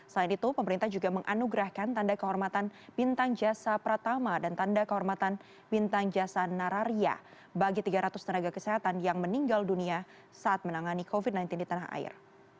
selain itu pemerintah juga menganugerahkan tanda kehormatan bintang jasa pratama dan tanda kehormatan bintang jasa nararia bagi tiga ratus tenaga kesehatan yang meninggal dunia saat menangani covid sembilan belas di tanah air